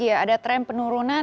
iya ada tren penurunan